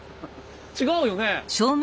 違うよね？